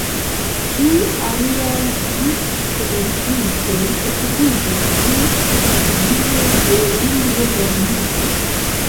Ĉu aliaj lud-teoriistoj okupiĝis pri strategioj de lingvolernado?